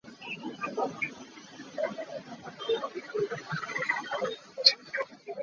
Khua ah va tlung ta ngat?